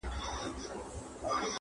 هر څوک خپل درد لري تل,